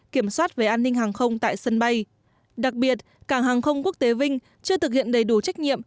kiểm soát về an ninh hàng không tại sân bay đặc biệt cảng hàng không quốc tế vinh chưa thực hiện đầy đủ trách nhiệm